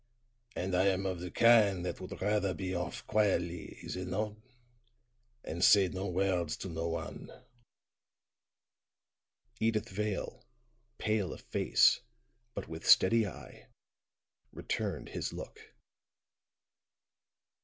And I am of the kind that would rather be off quietly, is it not? and say no words to no one." Edyth Vale, pale of face, but with steady eye, returned his look.